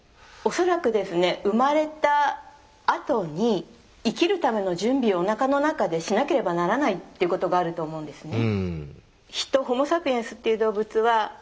恐らくですね生まれたあとに生きるための準備をおなかの中でしなければならないということがあると思うんですね。